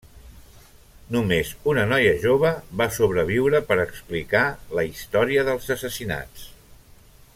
Només una noia jove va sobreviure per explicar la història dels assassinats.